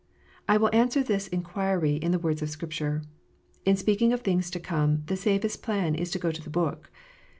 I will answer that inquiry in the words of Scripture. In speaking of things to come, the safest plan is to go to the Book.